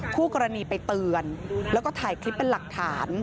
คู่กรณีไปเตือนแล้วก็ถ่ายคลิปเป็นหลักฐาน